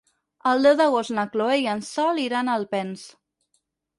El deu d'agost na Chloé i en Sol iran a Alpens.